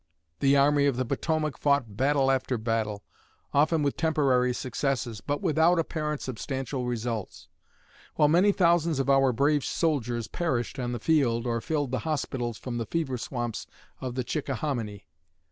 The Army of the Potomac fought battle after battle, often with temporary successes, but without apparent substantial results; while many thousands of our brave soldiers perished on the field, or filled the hospitals from the fever swamps of the Chickahominy.